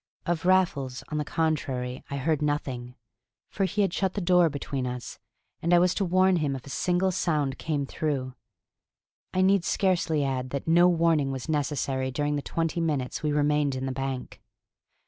Of Raffles, on the contrary, I heard nothing, for he had shut the door between us, and I was to warn him if a single sound came through. I need scarcely add that no warning was necessary during the twenty minutes we remained in the bank.